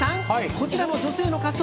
こちらの女性の仮装